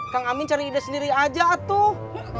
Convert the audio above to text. kang amin cari ide sendiri aja tuh